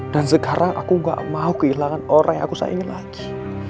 dan sekarang aku gak mau kehilangan orang yang aku sayangi lagi